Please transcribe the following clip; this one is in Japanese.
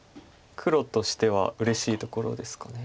黒としてはうれしいところですか。